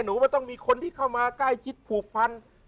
ว่าต้องมีคนที่เข้ามาใกล้ชิดผูกพัน